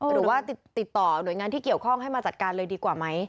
หรือว่าติดต่อหน่วยงานที่เกี่ยวข้องให้มาจัดการเลยดีกว่าไหม